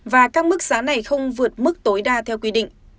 và các mức giá này không vượt mức tối đa theo quy định